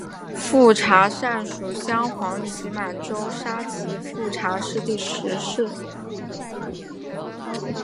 富察善属镶黄旗满洲沙济富察氏第十世。